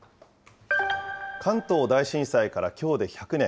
関東大震災からきょうで１００年。